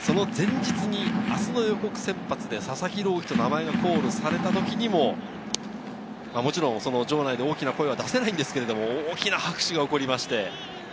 前日に明日の予告先発で佐々木朗希と名前がコールされた時にも、場内で大きな声は出せないんですが、大きな拍手が起こりました。